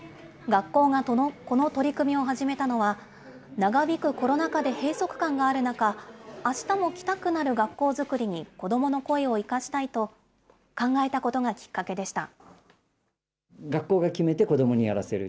学校がこの取り組みを始めたのは、長引くコロナ禍で閉塞感がある中、あしたも来たくなる学校づくりに子どもの声を生かしたいと考えたことがきっかけでした。